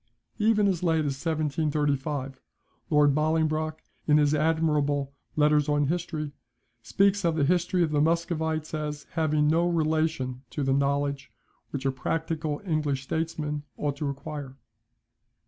Even as late as 1735, Lord Bollingbroke, in his admirable "Letters on History," speaks of the history of the Muscovites, as having no relation to the knowledge which a practical English statesman ought to acquire.